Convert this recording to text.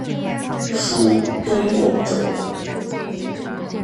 属东广州。